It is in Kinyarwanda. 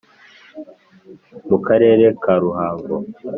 Mu karere ka ruhango